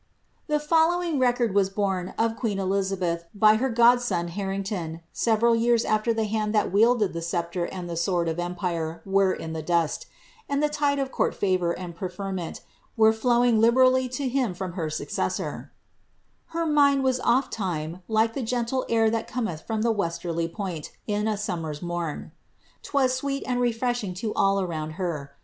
The following record was borne of. queen Elizabeth, by her godson, Harrington, several years afler the hand that wielded the sceptre and the sword of empire were in the dust, and the tide of court fiivour and pre ferment were flowing liberally to him from her successor :—^ Her mind was olltime like the gentle air that cometh from the westerly point in a toauner's mom, — 'twas sweet and refreshing to all around her.